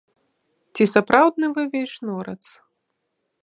Ці сапраўдны вы вейшнорац?